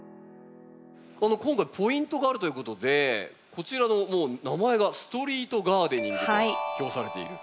今回ポイントがあるということでこちらの名前が「ストリート・ガーデニング」と表されている。